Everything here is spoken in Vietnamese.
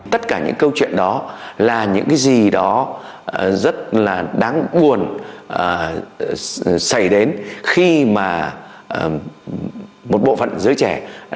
tất cả những câu chuyện đó là những cái gì đó rất là đáng buồn xảy đến khi mà một bộ phận giới trẻ